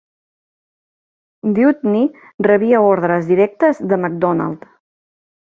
Dewdney rebia ordres directes de Macdonald.